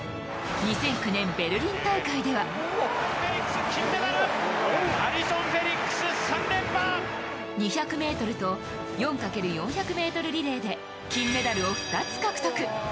２００９年、ベルリン大会では２００ｍと４×４００ｍリレーで金メダルを２つ獲得。